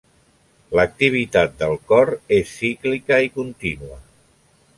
L'activitat del cor és cíclica i contínua.